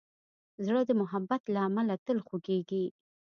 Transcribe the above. زړه د محبت له امله تل خوږېږي.